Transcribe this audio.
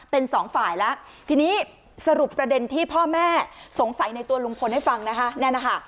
เป็นสองฝ่ายแล้วทีนี้สรุปประเด็นที่พ่อแม่สงสัยในตัวลุงพลให้ฟังนะคะนั่นนะคะ